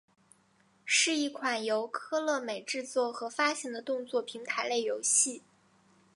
是一款由科乐美制作和发行的动作平台类游戏。